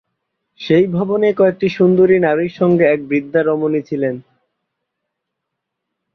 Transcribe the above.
সেই ভবনে কয়েকটি সুন্দরী নারীর সঙ্গে এক বৃদ্ধা রমণী ছিলেন।